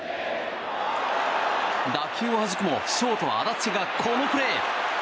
打球をはじくもショート安達が、このプレー。